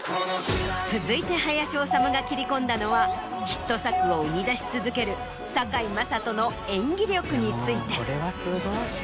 続いて林修が切り込んだのはヒット作を生み出し続ける堺雅人の演技力について。